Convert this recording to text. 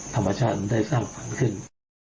ธรรมชาติมันได้สร้างขึ้น